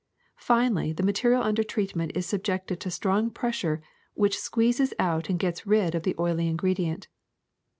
Finally, the material under treatment is subjected to strong pressure which squeezes out and gets rid of the oily ingredient.